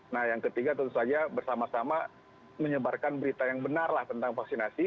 nah yang ketiga tentu saja bersama sama menyebarkan berita yang benar lah tentang vaksinasi